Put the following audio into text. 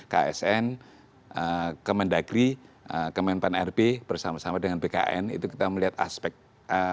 ksn kementerian negeri kementerian penerbangan bersama sama dengan bkn itu kita melihat aspek aspek perusahaan